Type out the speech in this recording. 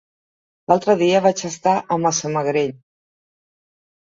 L'altre dia vaig estar a Massamagrell.